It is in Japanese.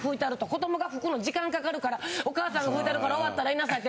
子どもが拭くの時間かかるからお母さんが拭いたるから終わったら言いなさいって。